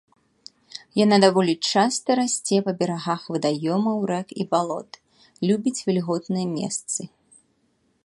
Яна даволі часта расце па берагах вадаёмаў, рэк і балот, любіць вільготныя месцы.